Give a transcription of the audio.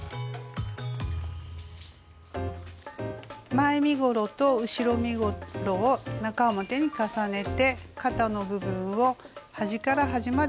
前身ごろと後ろ身ごろを中表に重ねて肩の部分を端から端まで縫います。